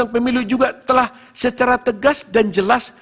pemilu juga telah secara tegas dan jelas